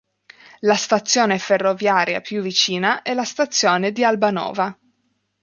La stazione ferroviaria più vicina è la Stazione di Albanova.